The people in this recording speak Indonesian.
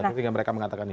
ketika mereka mengatakan ini